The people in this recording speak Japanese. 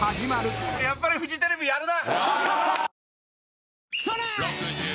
やっぱりフジテレビやるな。